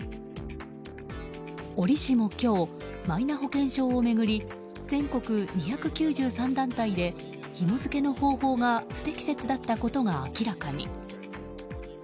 折しも今日マイナ保険証を巡り全国２９３団体でひも付けの方法が不適切だったことが明らかに。